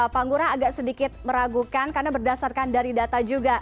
pak ngurah agak sedikit meragukan karena berdasarkan dari data juga